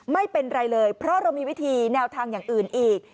ไม่เป็นไรเลยเพราะเรามีวิธีแนวทางอย่างอื่นอีก